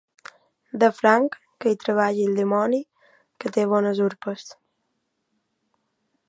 De franc, que hi treballi el dimoni, que té bones urpes.